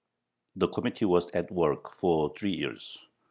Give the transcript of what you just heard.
The Committee was at work for three years.